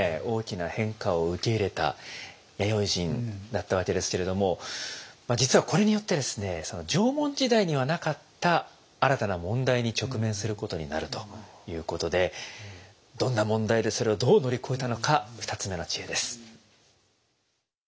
大きな変化を受け入れた弥生人だったわけですけれども実はこれによってですね縄文時代にはなかった新たな問題に直面することになるということでどんな問題でそれをどう乗り越えたのか２つ目の知恵です。